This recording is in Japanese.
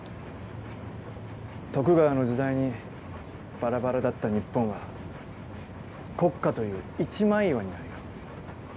徳川の時代にバラバラだった日本は国家という一枚岩になります。